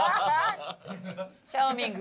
チャーミング。